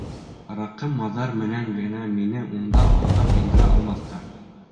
Араҡы-маҙар менән генә мине унда алдап индерә алмаҫтар.